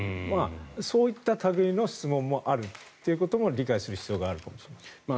そういった類の質問もあるということも理解する必要があるかもしれません。